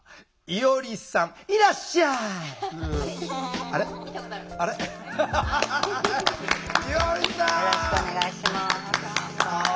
よろしくお願いします。